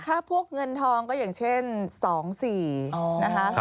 ถ้าพวกเงินทองก็อย่างเช่น๒๔นะคะ